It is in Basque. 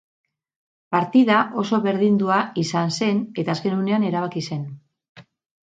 Partida oso berdindua izan zen eta azken unean erabaki zen.